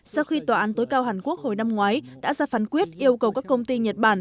sau khi tòa án tối cao hàn quốc hồi năm ngoái đã ra phán quyết yêu cầu các công ty nhật bản